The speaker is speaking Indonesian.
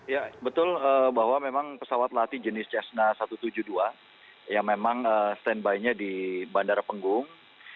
ya betul bahwa memang pesawat latih jenis cessna satu ratus tujuh puluh dua yang memang standby nya di bandara penggung